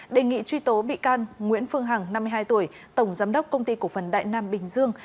đề nghị truy tố bị can nguyễn phương hằng năm mươi hai tuổi tổng giám đốc công ty cổ phần đại nam bình dương